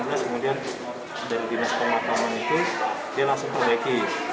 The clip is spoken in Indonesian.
kemudian dari dinas pemakaman itu dia langsung kembali ke ibu ibu ibu yang di rumah itu di rumah